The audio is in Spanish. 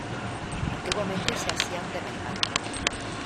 Antiguamente se hacían de metal.